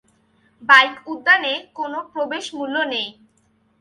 Bike উদ্যানে কোন প্রবেশ মূল্য নেই।